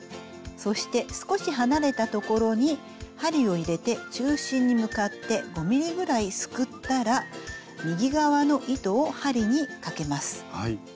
そして少し離れた所に針を入れて中心に向かって５ｍｍぐらいすくったら右側の糸を針にかけます。